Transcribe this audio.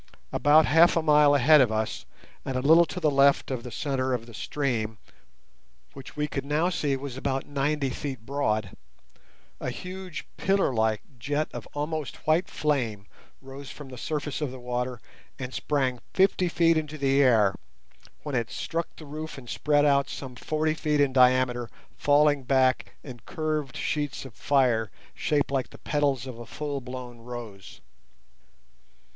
About half a mile ahead of us, and a little to the left of the centre of the stream—which we could now see was about ninety feet broad—a huge pillar like jet of almost white flame rose from the surface of the water and sprang fifty feet into the air, when it struck the roof and spread out some forty feet in diameter, falling back in curved sheets of fire shaped like the petals of a full blown rose.